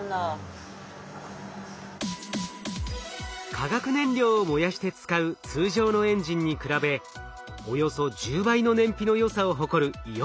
化学燃料を燃やして使う通常のエンジンに比べおよそ１０倍の燃費のよさを誇るイオンエンジン。